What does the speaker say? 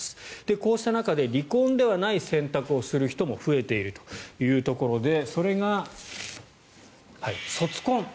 こうした中で離婚ではない選択をする人も増えているということでそれが卒婚。